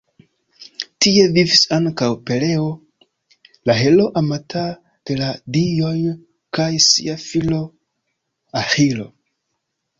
Tie vivis ankaŭ Peleo, la heroo amata de la dioj, kaj sia filo Aĥilo.